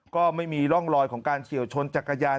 ก็ไม่มีร่องรอยของการเฉียวชนจักรยาน